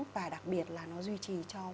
và đặc biệt là nó duy trì cho